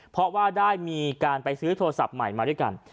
เพราะว่าได้มีการไปซื้อโทรศัพท์ใหม่มาด้วยกัน